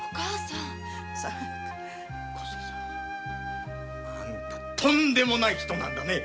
小杉さん。あんたとんでもない人なんだね。